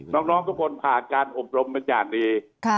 น้องทุกคนผ่านการอบรมเป็นอย่างดี